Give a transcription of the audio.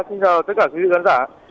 xin chào tất cả quý vị khán giả